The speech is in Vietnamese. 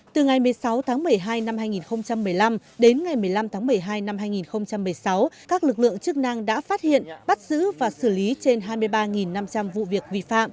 từ ngày một mươi sáu tháng một mươi hai năm hai nghìn một mươi năm đến ngày một mươi năm tháng một mươi hai năm hai nghìn một mươi sáu các lực lượng chức năng đã phát hiện bắt giữ và xử lý trên hai mươi ba năm trăm linh vụ việc vi phạm